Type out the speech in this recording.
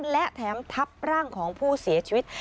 และแถมทับร่างของผู้เสียชีวิต